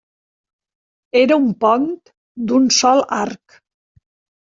Era un pont d'un sol arc.